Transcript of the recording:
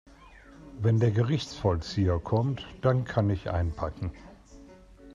Wenn der Gerichtsvollzieher kommt, dann kann ich einpacken.